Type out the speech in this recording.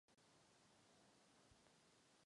Jeho vliv působí až do dnešní doby.